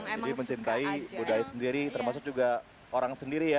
jadi mencintai budaya sendiri termasuk juga orang sendiri ya